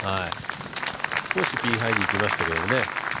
少しピンハイにいきましたけどね。